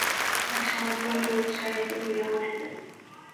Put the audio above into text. আশা অত্যন্ত উৎসাহিত হইয়া উঠিল।